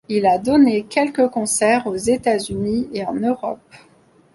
Il a donné quelques concerts aux États-Unis et en Europe.